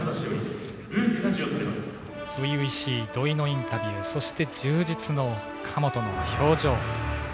初々しい土井のインタビューそして充実の神本の表情。